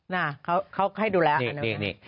น่าครอบให้ดูแลอันนี้